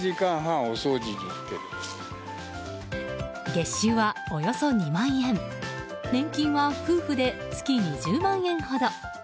月収はおよそ２万円年金は夫婦で月２０万円ほど。